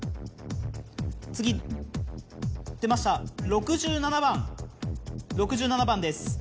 次出ました６７番６７番です。